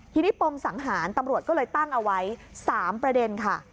ทีนี้ปมสังหารตำรวจก็เลยตั้งเอาไว้๓ประเด็นค่ะ